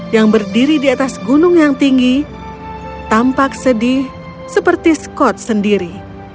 yang berdiri di atas gunung yang tinggi tampak sedih seperti skots sendiri